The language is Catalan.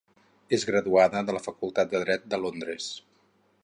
És graduada de la Facultat de Dret de Londres.